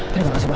terima kasih pak